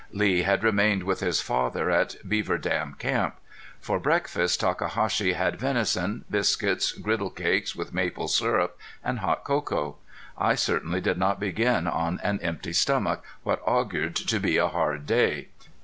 Lee had remained with his father at Beaver Dam camp. For breakfast Takahashi had venison, biscuits, griddle cakes with maple syrup, and hot cocoa. I certainly did not begin on an empty stomach what augured to be a hard day.